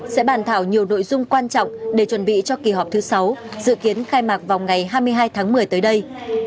sẽ bàn thảo nhiều nội dung quan trọng để chuẩn bị cho kỳ họp thứ sáu dự kiến khai mạc vào ngày hai mươi hai tháng một mươi tới đây